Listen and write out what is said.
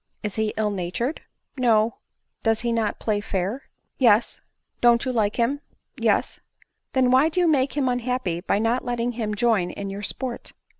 " Is he ill natured ?"" No." " Does he not play fair ?" *Yes." " Don't you like him ?"" Yes." " Then why do you make him unhappy, by not letting him join in your sport